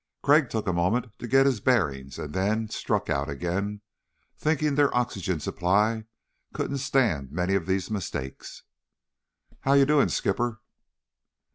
Crag took a moment to get his bearings and then struck out again thinking their oxygen supply couldn't stand many of these mistakes. "How you doing, Skipper?"